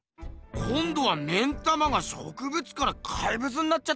こんどは目ん玉が植物から怪物になっちゃったぞ。